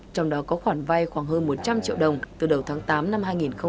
trong đó có khoản vay khoảng hơn một trăm linh triệu đồng từ đầu tháng tám năm hai nghìn hai mươi